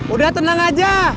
udah tenang aja